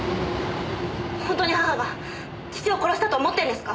ホントに母が父を殺したと思ってんですか？